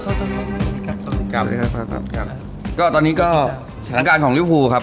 กลับเลยครับครับก็ตอนนี้ก็สถานการณ์ของบีฟูครับ